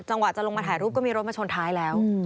จะลงมาถ่ายรูปก็มีรถมาชนท้ายแล้ว